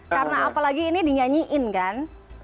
karena apalagi ini dinyanyiin kan